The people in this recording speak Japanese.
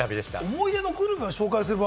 思い出のグルメを紹介する番